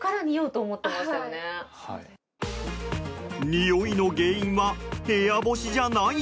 においの原因は部屋干しじゃない？